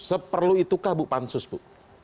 seperlu itukah bu pansus bu